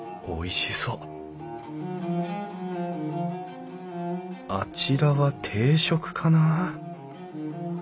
おいしそうあちらは定食かな？